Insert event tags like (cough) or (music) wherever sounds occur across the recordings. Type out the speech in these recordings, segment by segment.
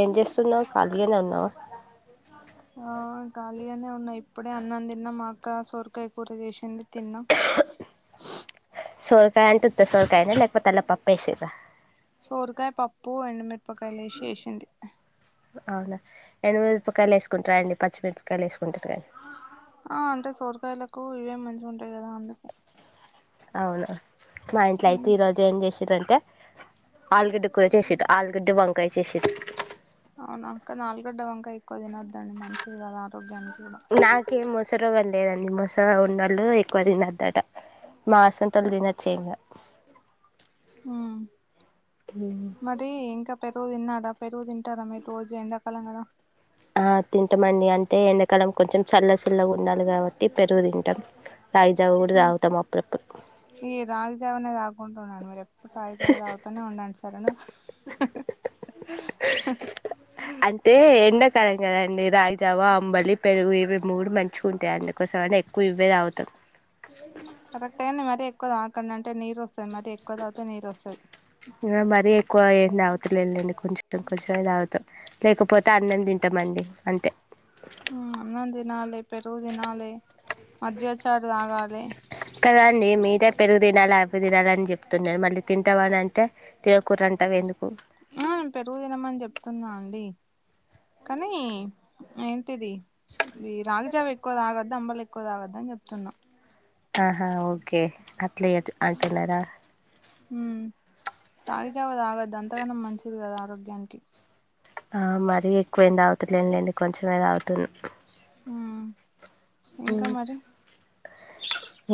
ఏం చేస్తున్నావు ఖాళీగానే ఉన్నావా ఆ గాళీగానే ఉన్నా ఇప్ ఇప్పుడే అన్నం తిన్న మాకు సొరకాయ కూర చేసింది తిన్నా సోరకాయ అంటె ఉత్త సోరకాయనా లేకపోతే అళ్లా పప్ప వేసర సోరకాయ పప్పు ఎండుమిరపకాయలు ఏసి చేసింది అవునా ఎండు మిరపకాయలు వేసుకుంటారా అండి పచ్చిమిరపకాయలు వేసుకుంటారు కానీ ఆ అంటే సోరకాయలకు ఇవే మంచిగా ఉంటాయి కదా అందుకే అవును మా ఇంట్లో అయితే ఈరోజు ఏం చేసిర్ ఇంటటే ఆలుగడ్డ కూర చేసిర్ ఆలుగడ్డడి వంకాయ చేసిర్ అవునా అక్క ఆలుగడ్డ వంకాయ ఎక్కువ తినొద్దండి మంచిది కాదు ఆరోగ్యానికి కూడా ఉన్నళ్ళు ఎక్కువ తినొద్దట మాసంటలు తినొచ్చు ఏం కాదు ఉమ్ మరి ఇంకా పెరుగు తిన్నారా పెరుగు తింటారా మీరు రోజు ఎండాకాలం కదా ఆ తింటాంమండి అంటే ఎండాకాలం కొంచెం చల్ల చల్లగా ఉండాలి కాబట్టి పెరుగు తింటాం రాగి జావా కూడా ఉమ్. తాగుతాము అప్పుడప్పుడు కుంటున్నాడు మీరు రాగి జావ తాగుతూనే ఉండండి సరేనా డి రాయిజావ అంబలి పెరుగు ఇవి మూడు మంచిగా ఉంటాయి అందుకోసమనే ఎక్కువ ఇవే తాగుతాం కరెక్టే ఏంది మరి ఎక్కువ తాగకండి అంటే నీరు వస్తది మరి ఎక్కువ తాగితే నీరు వస్తుది లేండి కొంచెం కొంచెమే తాగుతాం లేకపోతే అన్నం తింటామండి అంతే అన్నం తినాలే పెరుగు తినాలే మజ్జిగ చారు తాగాలి దండి మీరే పెరుగు తినాలి అవి తినాలి అని చెప్తున్నారు మళ్ళీ తింటావా అని అంటే తినకూరంటవి ఎందుకు ఆ నేను పెరుగు తినమని చెప్పు తున్నా అండి కానీ ఏం టిది రాగిజావ ఎక్కువ తాగొద్దు అంబలి ఎక్కు క్కువ తాగొద్దని చెబుతున్న ఆహా ఓకే ఇట్లే అంటున్నారా రాగి జావా తాగద్దు అంతగానం మంచిది కాదు ఆరోగ్యానికి మరీ ఎక్కువ ఏం తాగుతాలేం లేండి కొంచమే తాగుతున్నా ఆ ఉమ్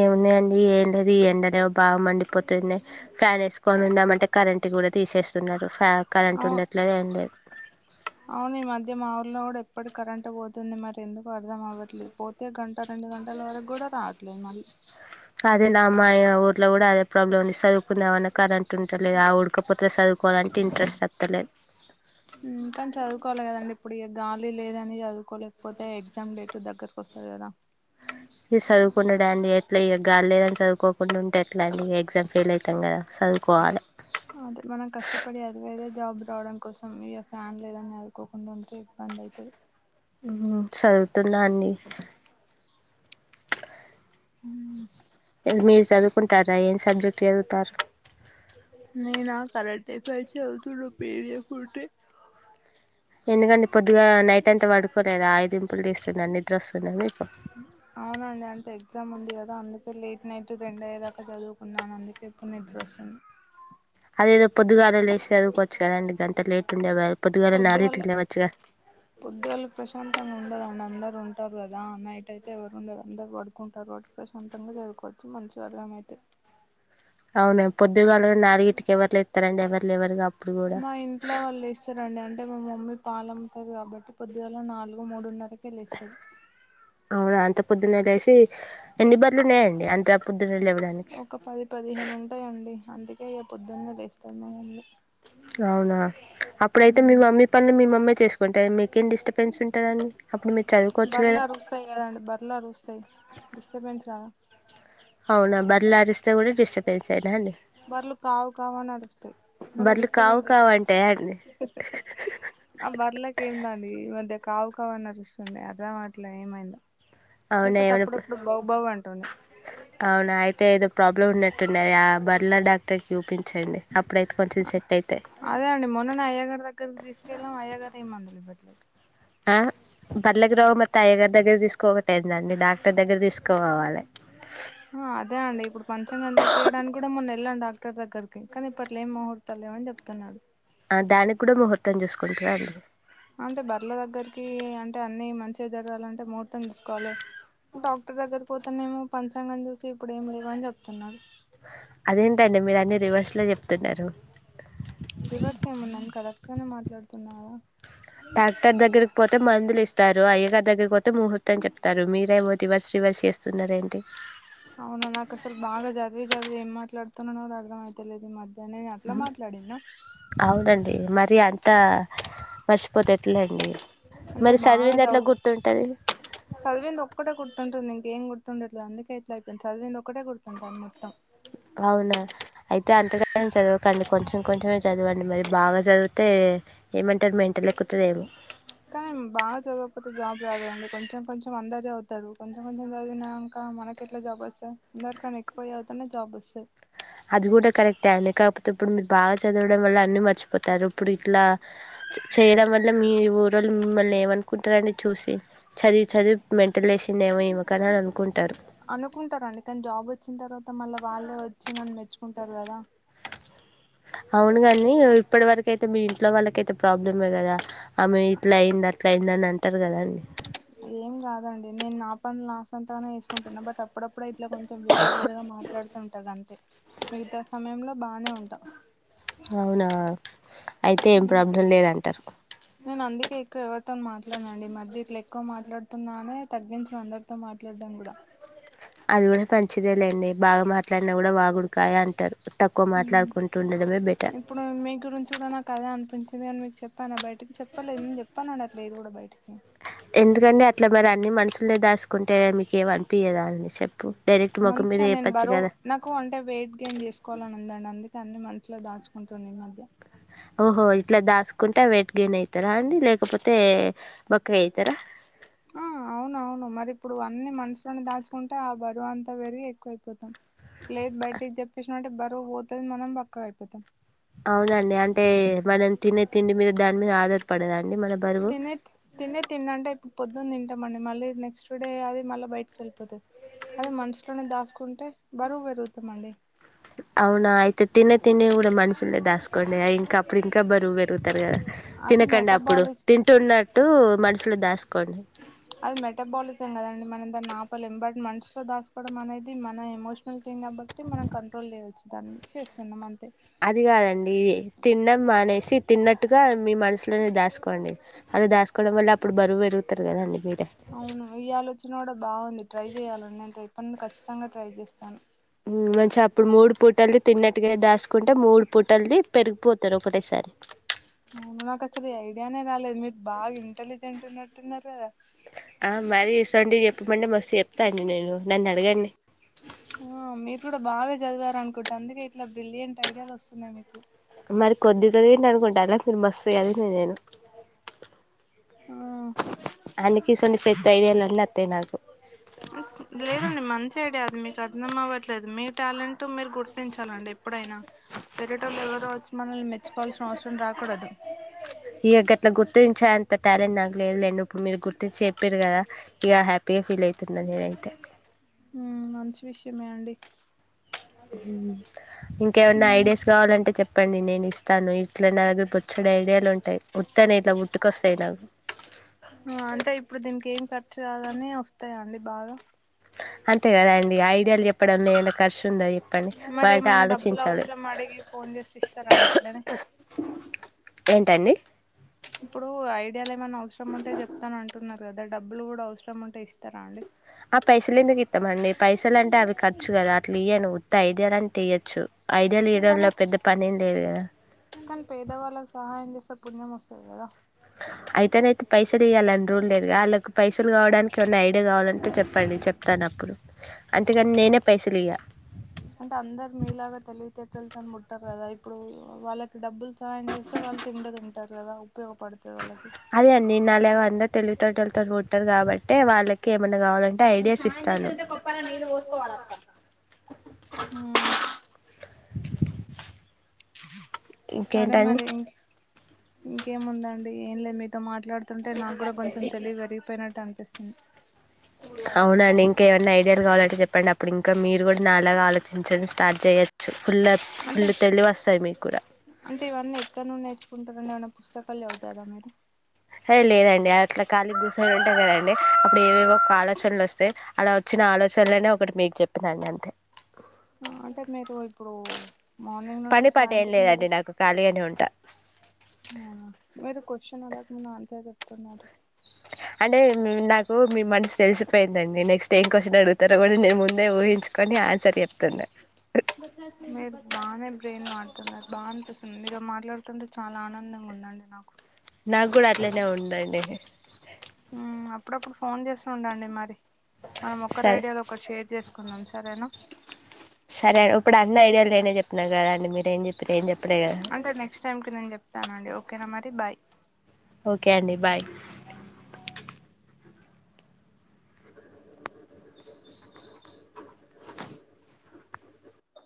ఏవున్నాయి ఏం లేదు ఈ ఎండనే బాగా మండిపోతుంది ఫ్యాన్ వేసుకొని ఉందామంటె కరెంట్ కూడా తీసేస్తున్నారు కరెంట్ అవు ఉండట్లేదు ఏం లేదు అవును ఈ మధ్య మా ఊర్లో కూడా ఎప్పటి కరెంట్ పోతుంది మరి ఎందుకో అర్థం అవ్వట్లేదు పోతే గంట రెండు గంటల వరకు కూడా రాదు ఎట్లా మరి అదే నా మా ఊర్లో కూడా అదే ప్రాబ్లమ్ ఉంది చదువుకుందా మన్నా కరెంట్ ఉంటలేదు ఆ ఉడకపోతే చదువుకు ఉమ్ కానీ చదువుకోవాలి కదండి ఇప్పుడు కాలి లేదని చదువుకోలేకపోతే ఎగ్జామ్ డేట్ దగ్గరకు వస్తాది కదా ఇగ చదువుకున్నడాన్ని ఎట్లా ఏ గాలి లేదంట చదువుకోకుండా ఉంటే ఎలా అండి ఎగ్జామ్ ఫెయిల్ అయితాం కదా చదువుకోవాలి అదే మనం కష్టపడి చదివేదే జాబ్ రావడం కోసం ఇక ఫ్యాన్ లేదని అదునుకోకుండా ఉంటే ఇబ్బంది అయితది ఉహూ చదువుతున్నా అండి ఉమ్ ఎల్ మీర్ చదువుకుంటారా ఏన్ సబ్జెక్ట్ చదువుతారు నేనా కరెంట్ ఎఫైర్స్ చదువుతున్న పిడిఎఫ్ ఉంటే ఎందుకండి పొద్దుగ నైట్ అ ఎంత పడుకోలేదు ఐదుంపులు లేస్తున్న నిద్ర వస్తున్నది మీ అవునండి అంటే ఎగ్జామ్ ఉంది కదా అందుకే లేట్ నైట్ రెండు అయ్యేదాక చదువుకున్నాను అందుకే ఇప్పుడు నిద్ర వస్తుంది అదేదో పొద్దుగ లేసి చదువుకోవచ్చు కదండి గంత లేట్ ఉండ పొద్దు గాలనే ఆరు పొద్దుగాల ఇంటికి లేవచ్చుగా ఉంటరు కదా నైట్ అయితే ఎవరు ఉండరు అందరు పడుకుంటారు అ ప్రశాంతంగా చదువుకోవచ్చు మంచి అర్థం అయితే అవున పొద్దుగాళ్ళ నాలుగింటికి ఎవర్లతే లేస్తారండి ఎవరు లెవరుగా అప్పుడు కూడ మా ఇంట్లో వాళ్ళు లేస్తారండి అంటే మా మమ్మీ పాలమ్ముతది కాబట్టి పొద్దుగల నాలుగు మూడున్నరకి లేస్తం పొద్దునె లేసి ఎన్ని బరులు ఉన్నాయండి అంతే ఒక పది పదిహేను ఉంటాయండి అందుకే ఏ పొద్దున్న లేస్తాది మా మమ్మీ అవునా అప్పుడయితే మీ మ్ మమ్మీ పనులు మీ మమ్మీ కొంటే మీ కేం డిస్టబెన్స్ ఉంటదండి అప్పుడు మీర్ బర్లు అరుస్తాయి కదండి బర్లు అరుస్తాయి డిస్టబెన్స్ రాద అవున బర్లు అరిస్తే కూడ డిస్టబెన్స్ ఎడా అండి బర్రలు కావు కావు అని అరుస్తాయి మరల బర్లు డిస్టర్బ్ కావు ఏందు కావు అంటాయా అండి ఆ బరలకి ఏందండి ఈ మధ్య కావు కావని అరుస్తుంటాయి. అర్థం అట్లా ఏమైంద అవునా ఏమనా అంటున్నాయి అవునా అయితే ఏదో ప్రాబ్ లో ఉన్నట్టున్నాయి ఆ బర్ల డాక్టర్ కి చూపించండి అప్పుడైతే కొంచెం సెట్ అవుతాయి అదే అండి మొన్ననే అయ్యగారి దగ్గరకి తీసుకెళ్ళాం అయ్యగారు ఏ మందులు ఇవ్వట్లేదు ఆ బర్ల గ్రహం మత్త అయ్యగారి దగ్గర తీసుకోక వట ఏందండి డాక్టర్ దగ్గర తీసుపోవాలి ఆ అదే అండి ఇప్పుడు పంచంగంధ ఉపయడానికి కూడ మొన్న వెళ్ళాను డాక్టర్ దగ్గరికి కానీ ఇప్పట్లో ఏం ముహూర్తాలు లేవని చెప్తున్నారు ఆ దానికి కూడా ముహూర్త అంటె బర్ల దగ్గరికి అంటే అన్నిీ మంచిగా జరగాలంటే ముహూర్తం తీసుకోవాలె డాక్టర్ దగ్గర పోతేనేమో పంచాంగం చూసి ఇప్పుడు ఏమి లేవు అని చెప్తున్నారు అదేంటండి మీరు అన్నిీ రివర్స్ లో చెప్తున్నరు రివర్స్ ఏమున్నాం కరెక్ట్ గానే మాట్లాడుతున్నా కదా డాక్టర్ దగ్గరికి పోతే మందులు ఇస్తారు అయ్యగార్ దగ్గరికి పోతే ముహూర్తం చెప్తారు మీరేమో రివర్స్ రివర్స్ చేస్తున్నార్ ఏంటి అవున నాకు అసలు బాగా జదివి జదివి ఏం మాట్లాడుతున్నా అద్రం అయితేలేదు ఈ మధ్య నేను అట్లా మాట్లాడినా అవునండి మరి అం త మర్చిపోతే ఎట్లండి అంటే మరి బాగా చదివింది ఎట్లా చదువుత గుర్తుంటుంది చదివింది ఒక్కటే గుర్తుంటుంది ఇంక ఏం గుర్తుండట్లే అందుకే ఇట్లా అయిపింది చదివింది టీ అవునా అయితే అంతగా చదవకండి కొంచెం కొంచమే చదవండి మరి బాగా చదివితే ఏమంటారు మెంటల్ ఎక్కుతది ఏమో కానీ బాగా చదవకపోతే జాబ్ రాదు కాదండీ కొంచెం కొంచెం అందరు చదువుతారు కొంచెం కొంచెం చదివినక మనకి ఎట్లా జాబ్ వస్తాయి అందరికనీ ఎక్కువ చదువుతూనే జాబ్ వస్తాయి అది కూడా కరెక్ట్ అండి కాకపోతే ఇప్పుడు మీరు బాగా చదవడం వల్ల అన్ని మర్చిపోతారు ఇప్పుడు ఇట్లా చేయడం వల్ల మీ ఊర్ళ్ళు మిమ్మల్ని ఏమనుకుంటారండి చూసి చదివి చదివి మెంటలేషిండేమొ ఇమకు కద అనుకుంటారు మళ్ళ వాళ్ళే వచ్చి నన్ను మెచ్చుకుంటారు గదా అవును గాని ఇప్పటి వరకు అ మీ ఇంట్లో వాళ్ళకయితే ప్రాబ్లమే కదా ఆమే ఇట్లయింది అట్లయింది అని అ టరు కద అండి ఏం కాదండి నేను నా పని లాస్ అంతాగానే వేసుకుంటున్నా బట్ అప్పుడప్పుడు అయితే ఇట్లా కొంచెం వేరే వేరేగా మాట్లాడుతూంటంది అంతే మిగతా సమయంలో బానే ఉంటా అవునా అయితే ఏం ప్రాబ్లం లేదంటారు నేను అందుకే ఎక్కువ ఎవరితోను మాట్లాడినండి మధ్య ఇట్లే కూవా మాట్లాడుతున్నానే తగ్గించనా అందరితో మాట్లాడం కూడా అది కూడా పంచిదేలేండి బాగా మాట్లాడినా కూడా వాగుడుకాయ అంటారు తక్కువ హమ్ మాట్లాడుకుంటూ ఉండడమే బెటర్ ఇప్పుడు మీ గురించి కూడా నాకు అదే అనిపించి నేను మీకు చెప్పానా బయ చెప్పలేదు నేన్ చెప్పా లేదు కూడా బయిటికి ఎందుకండి అట్లా మరి అన్ని మనుషుల్లే దాసుకుంటే మీకు ఏమి అనిపియదా అండి చెప్ మంచిగా నేను బరువు నాకు అంటే వెయిట్ గెయిన్ చేసుకోవాలని ఉందండి అందు కే అన్ని మనషులో దాచుకుంటున్న ఈ మధ్య ఓహో ఇట్లా దాసుకుంటే వెయిట్ గెయిన్ అవుతారా అండి లేకపోతే బక్కగా అయితారా ఆ అవునవును మరి ఇప్పుడు అన్నీ మనసులోనే దాచుకుంటే ఆ బరువు అంతా పెరిగి ఎక్కువ అయిపోతాం లేద బయటకి జెప్ష అంటే బరువు పోతది మనం బక్కగా అయిపోతాం అవునండి అంటే మనం తినే తిండి మీద దాని మీద ఆధారపడదా తినే తిన్ తినే తిన్ అంటె ఇప్ పొద్దున్న తింటామండి మళ్ళీ నెక్స్ట్ డే అది మళ్ళీ బయటకి వెళ్ళిపోతది అది మనసులోనే దాసుకుంటే బరువు పెరుగుతాండి అవునా అయితే తినే తిండిని కూడా మనసు లోనే దాసుకోండి అయి ఇంకా అప్పుడు ఇంకా బరువు పెరుగుతారు కదా అది తినకండి అప్పుడు మెటబాలిజం తింటున్నట్టు మనుషు లో దాసుకోండి అది మెటాబాలిజాం కదండి మనం దాన్ని ఆపలేం బట్ మనషలో దాసుకోవడం అనేది మన ఎమోషనల్ థింగ్ కాబట్టి మనం కంట్రోల్ చేయోచ్చు దాన్ని చేస్తున్నాం అంతే అది కాదండి తినడం మానేసి తిన్నట్టుగా మీ మనసులోనే దాసుకోండి అది దాసుకోవడం వల్ల అప్పుడు బరువు పెరుగుతారు కదండి మీరు అవును ఈ ఆలోచన కూడా బాగుంది ట్రై చెయాల ఉండు ఖచ్చితంగా ట్రై చేస్తాను మంచిగా అప్పుడు మూడు పూటని తిన్నట్టుగా దాసుకుంటే మూడు పూటలది పెరిగిపోతారు ఒకటేసారి అవును నాకు అసలు ఐడియానే రాలేదు మీరు బాగా ఇంటెలిజెంట్ ఉన్నట్టున్నారుగా ఆ మర ఇసువంటివి చెప్పమంటే మస్తు చెప్తాండి నేను నన్ను అడగండి ఆ మీరు కూడా బాగా చదివారూ అనుకుంటే అందుకే ఇట్లా బ్రిలియంయంట్ ఐడియాలు వస్తున్నాయి మీకు మరి కొద్దిగా సదువిండ్రు అనుకుంటాండ్ర నేను మస్తు సదివిన్ను నేను ఆ అందుకె ఇసువంటి సెత్తు ఐడియాలు అన్ని అత్తయి నాకు లేదండి మంచి ఐడియా అది మీకు అర్థం అవ్వట్లేదు మీ టాలెంట్ మీరు గుర్తించాలండి ఎప్పుడైనా వేరేటోళ్ళు ఎవరో మనల్ని మెచ్చుకోవాల్సిన అవసరం రాకూడదు ఇంత టాలెంట్ నాకు లేదు లెండి ఇప్పుడు మీరు గుర్తు చెప్పిర్రు కదా ఇక హ్యాపీగా ఫీల్ అయితున్న నేనైతే మంచి విషయమే అండి హ ఇంకేమైన్నా ఉమ్ ఐడియాస్ కావాలంటే చెప్ప చెప్పండి నేను ఇస్తాను ఇట్లా నా దగ్గరకి బోచ్చడు ఐడియాలు ఉంటాయి ఉత్తని ఇట్లా పట్టుకొస్తాయి నాకు అంటే ఇప్పుడు దీనికి ఏం ఖర్చు కాదని వస్తాయ అండి బాగా అంతే కదా అండి ఐడియాలు చెప్పడేనా ఖర్చు ఉంద చె మరి ఏమైనా డబ్బులు అవసరం అడిగి ఫోన్ చేసి ఇస్తారా అండి ఇట్లనే ఏంటండి ఇప్పుడు ఐడియాలు ఏమైనా అవసరం ఉంటే చెప్తానండి అంటున్నారు కదా డబ్బులు కూడా అవసరం ఉంటే ఇస్తారా అండి ఆ పైసలు ఎందుకు ఇస్తామండి పైసలు అంటే అవి ఖర్చు కద అలా ఇయ్యనువ్వుత్త ఐడియా అని తీయ్యచ్చు ఐడియా ఇయడంలో కానీ పెద్ద పని లేదు కానీ పేదవాళ్ళలకు సహాయం చేస్త పుణ్యం వస్తుంది అయితేనైతే పైసలు ఇయ్యాలని రూల్ లేదు గా వాళ్ళకి పైసలు కావడానికి ఉన్న ఐడియా కావాలంటే చెప్పండి చెప్తాను అప్పుడు అంతేగాని నేనే అంట్ పైసలు ఇయ్య అంటే అందరు మీలాగా తెలివితేట్ టల్ తోని పుట్టరు కదా ఇప్పుడు వాళ్ళక్ డబ్బులు సాయం చేస్తే వాళ్ళు తిండదుం టారుగదా ఉపయోగపడ్ అదే అండి నా లాగా అందరు తెలివితేటల్ తోని పుట్టారు కాబట్టే వాళ్ళకి ఏమన్నా కావాలంటే ఐడియాస్ ఇస్తాను హ్మ్ చె సరే ఇంకేంటండి మరీ ఇంకేముందండి ఏం లేదు మీతో మాట్ ట్లాడుతుంటే నాగ్గూడ కొంచెం తెలివి పెరిగిపోయినట్ ట్టనిపిస్తుంది. అవునా అండి ఇంకేమన్నా అయ్ (unintelligible) కావాలంటే చెప్పండి అప్పుడు ఇంకా మీరు గూడ నాలాగ ఆలోచించడం స్టార్ట్ చేయొచ్చు. ఫుల్లా అంటే ఫుల్ తెలివొస్తది మీగ్గూడా. కుంటారండి ఏమన్నా పుస్తకాలు చదువుతారా మీరు? ఏ లేదండి అట్లా ఖాళీగా గూసోని ఉంటాం కదండి అప్పుడు ఏమ వోక ఆలోచనలు వస్తే అలా వచ్చిన ఆలోచనలోనే ఒకటి మీకు చెప్పినా అండి అంతే ఆ అంటే మీరు ఇప్పుడు మార్నింగ్ నుండి పని పాట ఏం సాయంత్రం లేదండి వరక్ నాకు ఖాళీగానే ఉంటా ఆ మీరు కొషన్ అడగకముందే ఆన్సర్ చెప్తున్నారు అంటే మ్మ్ నాకు మీ మనసు తెలుసు పోయిందండి నెక్స్ట్ ఏం కొషన్ అడుగుతారు. (unintelligible) నేను ముందే ఊహించుకొని ఆన్సర్ చెప్ తుంది మీరు బానే బ్రెయిన్ వాడుతున్నారు బా అనిపిస్ మీరు మాట్లాడుతుంటే చాలా ఆనందంగా ఉందండి నాకు. నాగ్గూడ అట్లనే ఉందండి. మ్మ్ అప్పుడప్పుడు ఫోన్ చేస్తుండండి మరి. మనం ఒకరి సరే ఐడియాలు ఒకరు షేర్ చేసుకుందాం సరేనా? సరే అన్ ఇప్పుడు అన్న ఐడియాలు నేనే చెప్పిన కదాండి మీరేం చెప్పిరు ఏం చెప్ అంటే నెక్స్ట్ టైమ్ కి నేను చెప్తాను అండి ఓకేనా మరి బై ఓకే అండి బాయ్